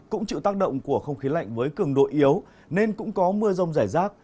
cũng chịu tác động của không khí lạnh với cường độ yếu nên cũng có mưa rông rải rác